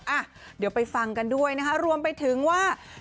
อ่ะเดี๋ยวไปฟังกันด้วยนะคะรวมไปถึงว่า